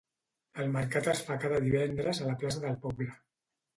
El mercat es fa cada divendres a la plaça del poble.